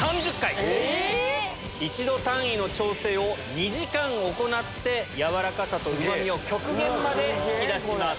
１℃単位の調整を２時間行って軟らかさとうま味を極限まで引き出します。